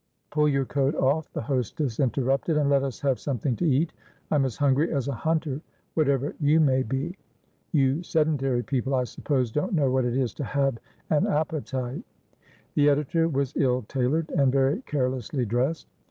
"Pull your coat off," the hostess interrupted, "and let us have something to eat. I'm as hungry as a hunter, whatever you may be. You sedentary people, I suppose, don't know what it is to have an appetite." The editor was ill tailored, and very carelessly dressed.